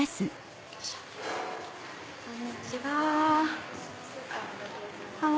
こんにちは。